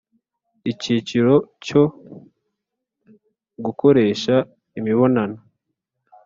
Icyiciro cyo Gukoresha imibonano